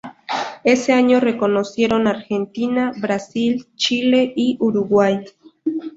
Ese año recorrieron Argentina, Brasil, Chile y Uruguay.